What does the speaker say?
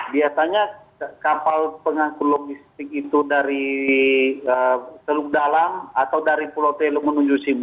biasanya kapal pengangkul logistik itu dari seluk dalam atau dari pulau teluk menuju sim